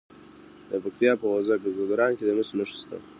د پکتیا په وزه ځدراڼ کې د مسو نښې شته.